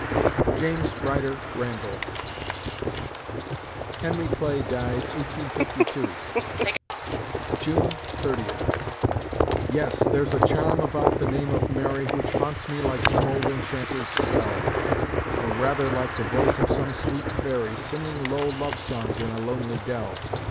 JAMES RYDER RANDALL Henry Clay dies, 1852 June Thirtieth Yes, there's a charm about the name of Mary Which haunts me like some old enchanter's spell, Or rather like the voice of some sweet fairy, Singing low love songs in a lonely dell.